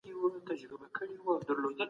ځوانان د ټولني د ملا تير دی.